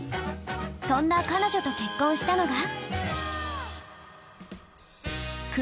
そんな彼女と結婚したのが？